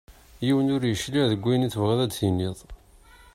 Yiwen ur yecliɛ deg wayen i tebɣiḍ ad d-tiniḍ.